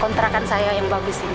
kontrakan saya yang bagus ini